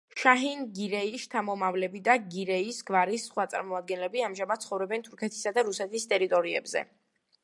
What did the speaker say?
შაჰინ გირეის შთამომავლები და გირეის გვარის სხვა წარმომადგენლები ამჟამად ცხოვრობენ თურქეთისა და რუსეთის ტერიტორიებზე.